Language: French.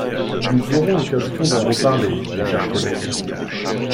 Nous aurons l’occasion d’en reparler, mon cher collègue.